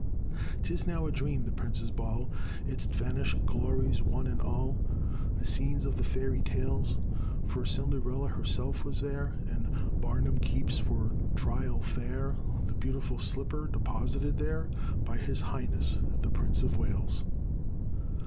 'Tis now a dream the prince's ball, Its vanished glories, one and all, The scenes of the fairy tales; For Cinderella herself was there, And Barnum keeps for trial fair The beautiful slipper deposited there By his highness, the Prince of Wales.